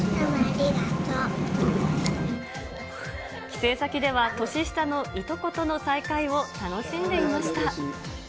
帰省先では、年下のいとことの再会を楽しんでいました。